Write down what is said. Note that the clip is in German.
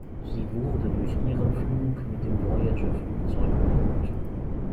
Sie wurde durch ihren Flug mit dem Voyager-Flugzeug berühmt.